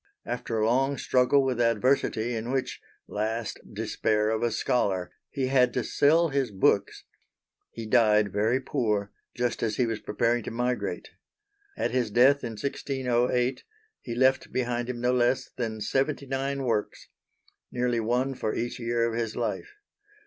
After a long struggle with adversity in which last despair of a scholar he had to sell his books, he died very poor, just as he was preparing to migrate. At his death in 1608 he left behind him no less than seventy nine works nearly one for each year of his life.